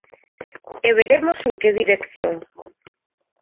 E veremos en que dirección.